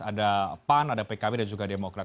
ada pan ada pkb dan juga demokrat